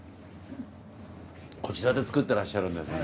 こちらで作ってらっしゃるんですね。